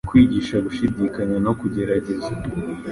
Kwigisha gushidikanya no kugerageza